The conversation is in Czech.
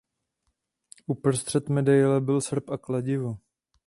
Uprostřed medaile byl srp a kladivo.